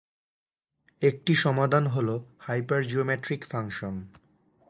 একটি সমাধান হল হাইপারজিওমেট্রিক ফাংশন।